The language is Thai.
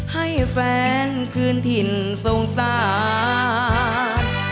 ให้แฟนคืนถิ่นสงสาร